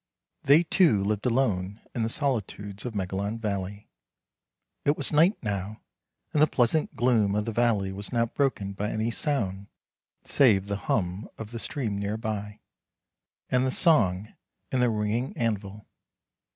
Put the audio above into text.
They two lived alone in the solitudes of Megalon Valley. It was night now, and the pleasant gloom of the valley was not broken by any sound save the hum of the stream near by, and the song, and the ringing anvil.